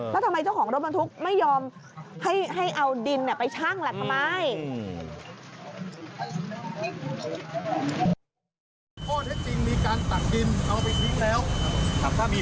แล้วทำไมเจ้าของรถบรรทุกไม่ยอมให้เอาดินไปชั่งแหละทำไม